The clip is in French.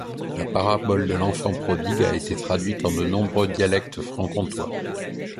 La parabole de l'enfant prodigue a été traduite en de nombreux dialectes francs-comtois.